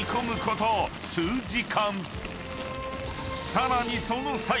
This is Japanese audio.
［さらに］